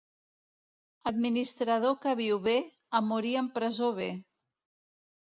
Administrador que viu bé, a morir en presó ve.